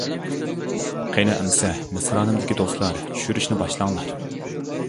قېنى ئەمىسە مىسرانىمدىكى دوستلار چۈشۈرۈشنى باشلاڭلار.